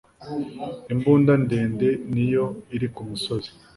imbunda ndende niyo iri ku musozi